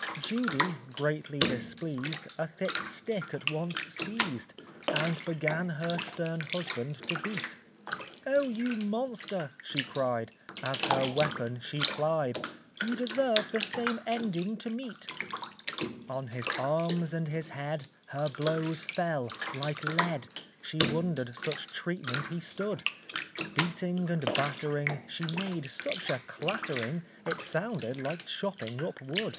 Judy, greatly displeased, A thick stick at once seized, And began her stern husband to beat; "O you monster," she cried, As her weapon she plied, "You deserve the same ending to meet." [Illustration: PUNCH AND JUDY.] On his arms and his head Her blows fell like lead; She wonder'd such treatment he stood! Beating and battering, She made such a clattering, It sounded like chopping up wood.